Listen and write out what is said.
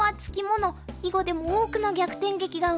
囲碁でも多くの逆転劇が生まれてきました。